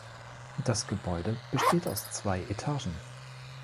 Das Gebäude besteht aus zwei Etagen.